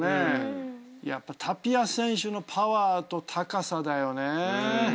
やっぱタピア選手のパワーと高さだよね。